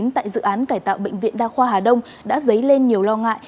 tại dự án cải tạo bệnh viện đa khoa hà đông đã dấy lên nhiều lo ngại